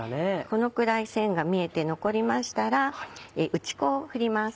このくらい線が見えて残りましたら打ち粉を振ります。